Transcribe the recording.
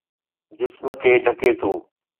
جسم کي ڍڪي ٿو